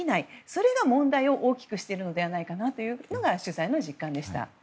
それが問題を大きくしているのではないかなというのが取材の実感でした。